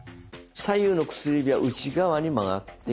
左右の薬指は内側に曲がって。